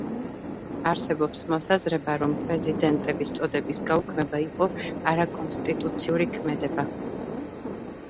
არსებობს მოსაზრება, რომ პრეზიდენტების წოდების გაუქმება იყო არაკონსტიტუციური ქმედება.